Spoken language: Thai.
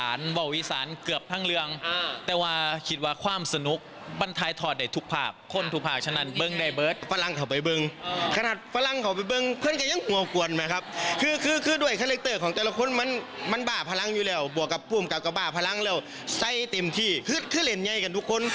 หมอนคักเพ็มขนาดไหนไปฟังพวกเขาม้าวหม่อยกันจ้า